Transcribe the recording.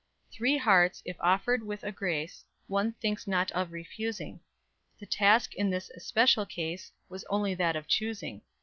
Three hearts, if offered with a grace, One thinks not of refusing. The task in this especial case Was only that of choosing.